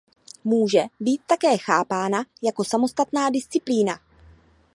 Může být také chápána jako samostatná disciplína.